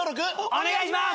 お願いします！